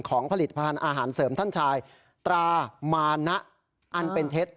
ผลิตภัณฑ์อาหารเสริมท่านชายตรามานะอันเป็นเท็จ